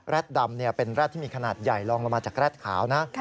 ดำเป็นแรดที่มีขนาดใหญ่ลองลงมาจากแร็ดขาวนะ